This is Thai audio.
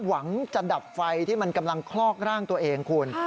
หวังจะดับไฟที่มันกำลังคลอกร่างตัวเองคุณ